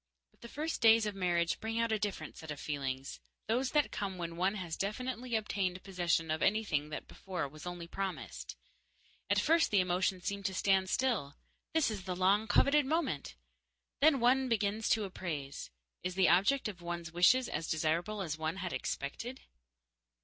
But the first days of marriage bring out a different set of feelings those that come when one has definitely obtained possession of anything that before was only promised. At first the emotions seem to stand still this is the long coveted moment! Then one begins to appraise. Is the object of one's wishes as desirable as one had expected?